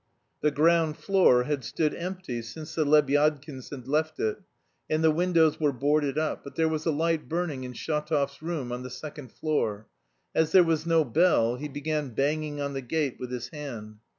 The ground floor had stood empty since the Lebyadkins had left it, and the windows were boarded up, but there was a light burning in Shatov's room on the second floor. As there was no bell he began banging on the gate with his hand.